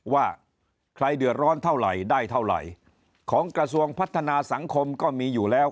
ว่าใครเดือดร้อนเท่าไหร่ได้เท่าไหร่ของกระทรวงพัฒนาสังคมก็มีอยู่แล้ว